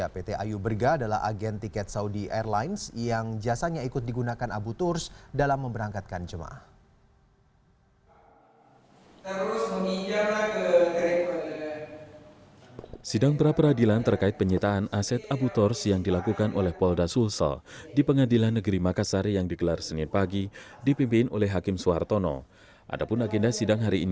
pt ayu berga adalah agen tiket saudi airlines yang jasanya ikut digunakan abu turs dalam memberangkatkan jemaah